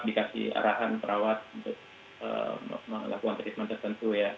dikasih arahan perawat untuk melakukan treatment tertentu ya